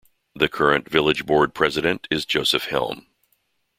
The current Village Board President is Joseph Helm.